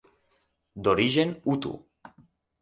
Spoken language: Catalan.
D'origen hutu.